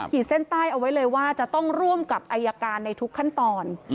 เส้นใต้เอาไว้เลยว่าจะต้องร่วมกับอายการในทุกขั้นตอน